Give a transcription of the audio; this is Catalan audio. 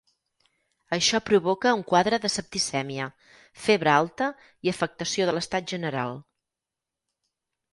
Això provoca un quadre de septicèmia: febre alta i afectació de l'estat general.